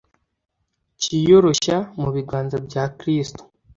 cyiyoroshya mu biganza bya Kristo,